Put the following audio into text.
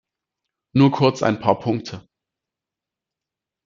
Nur kurz ein paar Punkte.